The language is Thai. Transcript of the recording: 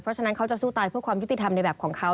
เพราะฉะนั้นเขาจะสู้ตายเพื่อความยุติธรรมในแบบของเขา